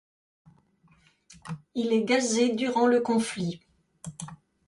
Il est gazé durant le conflit.